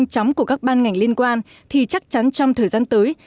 xóm của các ban ngành liên quan thì chắc chắn trong thời gian tới